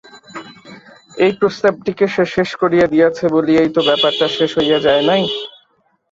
এই প্রস্তাবটিকে সে শেষ করিয়া দিয়াছে বলিয়াই তো ব্যাপারটা শেষ হইয়া যায় নাই।